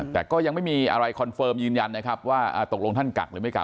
แต่ก็ยังไม่มีอะไรคอนเฟิร์มยืนยันนะครับว่าตกลงท่านกักหรือไม่กัก